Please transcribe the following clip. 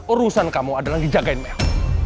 urusan kamu adalah dijagain mel